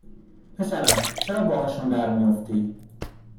پسرم چرا باهاشون درمی افتی